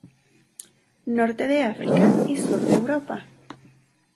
Norte de África y sur de Europa.